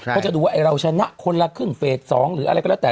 เขาจะดูว่าเราชนะคนละครึ่งเฟส๒หรืออะไรก็แล้วแต่